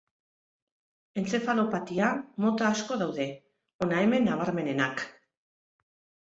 Entzefalopatia mota asko daude, hona hemen nabarmenenak.